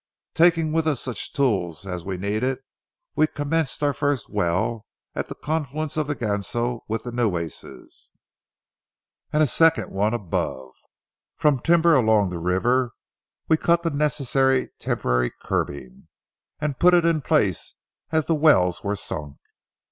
Taking with us such tools as we needed, we commenced our first well at the confluence of the Ganso with the Nueces, and a second one above. From timber along the river we cut the necessary temporary curbing, and put it in place as the wells were sunk.